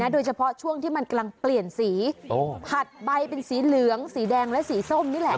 โดยเฉพาะช่วงที่มันกำลังเปลี่ยนสีผัดใบเป็นสีเหลืองสีแดงและสีส้มนี่แหละ